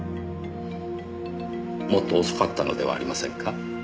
もっと遅かったのではありませんか？